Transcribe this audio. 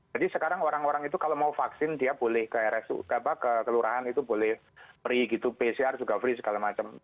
jadi sekarang orang orang itu kalau mau vaksin dia boleh ke rsu ke kelurahan itu boleh free gitu pcr juga free segala macam